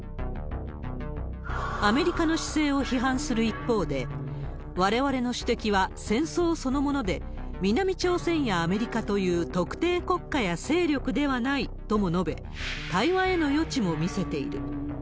アメリカの姿勢を批判する一方で、われわれの主敵は戦争そのもので、南朝鮮やアメリカという特定国家や勢力ではないとも述べ、対話への余地も見せている。